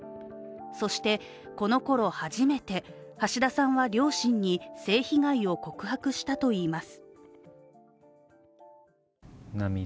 そしてこのころ初めて、橋田さんは両親に性被害を告白したといいます。